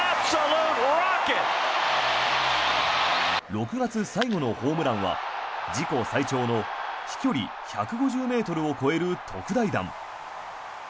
６月最後のホームランは自己最長の飛距離１５０ｍを超える特大弾。